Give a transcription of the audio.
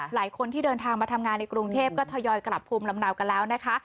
หลายคนที่เดินทางมาทำงานในกรุงเทพก็ทยอยกลับภูมิลำเนากันแล้วนะคะ